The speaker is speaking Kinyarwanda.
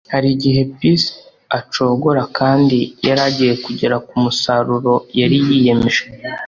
hari igihe Peace acogora kandi yari agiye kugera ku musaruro yari yiyemeje